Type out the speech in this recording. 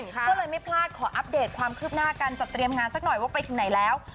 ก็เลยไม่พลาดขออัปเดตความคืบหน้าการจัดเตรียมงานสักหน่อยว่าไปถึงไหนแล้ว